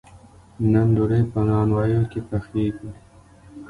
نن ډوډۍ په نانواییو کې پخیږي.